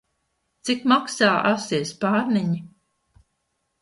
Cik maksā asie spārniņi?